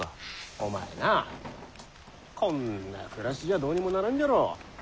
お前なこんな暮らしじゃどうにもならんじゃろう？